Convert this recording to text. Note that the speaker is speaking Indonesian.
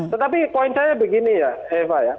tetapi poin saya begini ya eva ya